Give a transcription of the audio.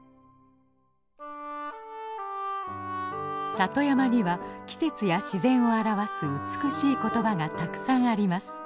里山には季節や自然を表す美しい言葉がたくさんあります。